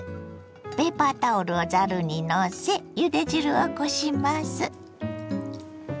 ペーパータオルをざるにのせゆで汁をこします。